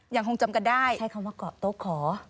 ยังคงจำกันได้ใช้คำว่าเกาะโต๊ะขอ